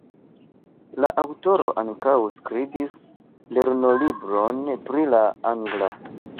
La aŭtoro ankaŭ skribis lernolibron pri la angla.